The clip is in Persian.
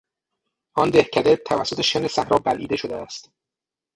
آن دهکده توسط شن صحرا بلعیده شده است.